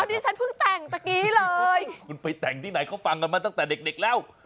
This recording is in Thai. นี่ฉันเพิ่งแต่งตะกี้เลยคุณไปแต่งที่ไหนเขาฟังกันมาตั้งแต่เด็กแล้ว